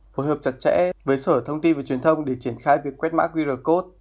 phối hợp chặt chẽ với sở thông tin và truyền thông để triển khai việc quét mã qr code